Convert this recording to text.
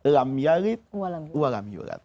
lam yalit wa lam yulat